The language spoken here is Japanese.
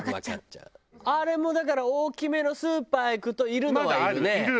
あれもだから大きめのスーパー行くといるのはいるね。